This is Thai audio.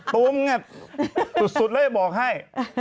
ตุ้มสุดแล้วจะบอกให้